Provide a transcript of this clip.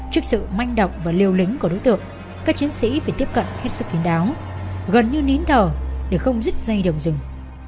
trước sự manh động và liều lính của đối tượng các chiến sĩ phải tiếp cận hết sức kín đáo gần như nín thờ để không rứt dây đồng rừng